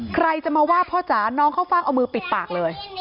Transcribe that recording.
ใครจะมาว่าพ่อจ๋าน้องเข้าฟ่างเอามือปิดปากเลย